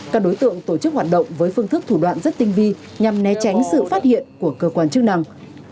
các đối tượng tổ chức hoạt động với phương thức thủ đoạn rất tinh vi nhằm né tránh sự phát hiện của cơ quan chức năng